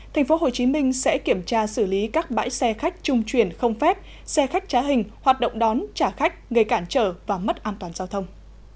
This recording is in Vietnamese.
tp hcm sẽ kiểm tra xử lý các bãi xe khách trung chuyển không phép xe khách trá hình hoạt động đón trả khách gây cản trở và mất an toàn giao thông